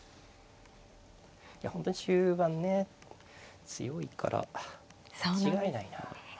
いや本当に終盤ね強いから間違えないなあ。